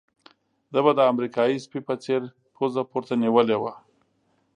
ده به د امریکایي سپي په څېر پوزه پورته نيولې وه.